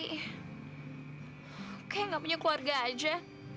kayaknya gak punya keluarga aja